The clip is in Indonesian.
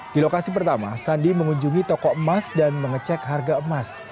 di lokasi pertama sandi mengunjungi toko emas dan mengecek harga emas